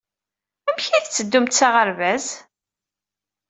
Amek ay tetteddumt s aɣerbaz?